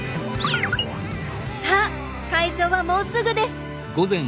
さあ会場はもうすぐです。